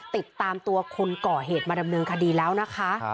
ติดตามตัวคนก่อเหตุมาดำเนินคดีแล้วนะคะ